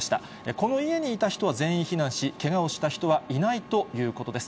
この家にいた人は全員避難し、けがをした人はいないということです。